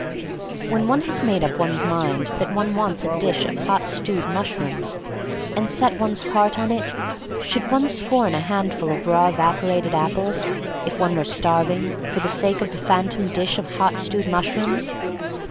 When one has made up one's mind that one wants a dish of hot stewed mushrooms, and set one's heart on it, should one scorn a handful 'of raw evaporated apples, if one were starving, for the sake of the phantom dish of hot stewed mushrooms?